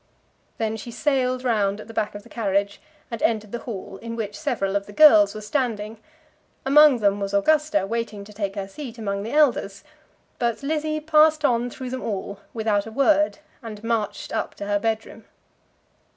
Then she sailed round at the back of the carriage and entered the hall, in which several of the girls were standing. Among them was Augusta, waiting to take her seat among the elders; but Lizzie passed on through them all, without a word, and marched up to her bed room.